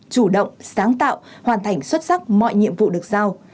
chủ động sáng tạo hoàn thành xuất sắc mọi nhiệm vụ được giao